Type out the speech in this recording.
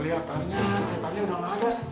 lihat setannya sudah enak